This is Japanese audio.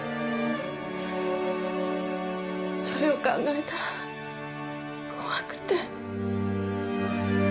それを考えたら怖くて。